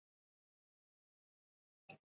نوي فرصتونه خلاصېږي.